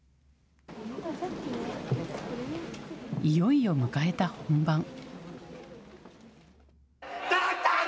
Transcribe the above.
いよいよ迎えた本番。